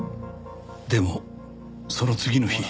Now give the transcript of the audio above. でもその次の日。